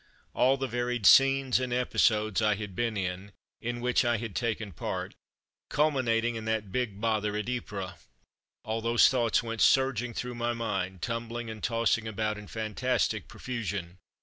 All the varied scenes and episodes I had been in, in which I had taken part, culminating in that big bother at Ypres; all these thoughts went surging through my mind, tumbling and tossing about in fan tastic profusion.